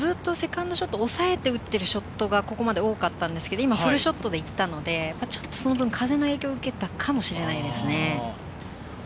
ずっとセカンドショットは抑えて打っているショットが多かったんですが、ここはフルショットで行ったんですけど、その分、風の影響を受けたかもしれませんね。